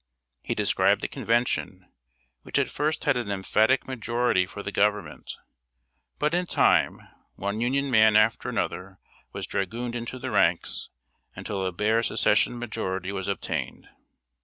He described the Convention, which at first had an emphatic majority for the Government; but in time, one Union man after another was dragooned into the ranks, until a bare Secession majority was obtained.